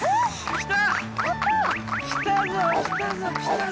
来た！